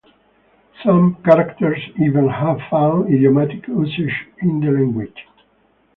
Some characters even have found idiomatic usage in the language.